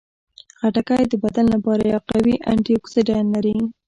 خټکی د بدن لپاره یو قوي انټياکسیدان لري.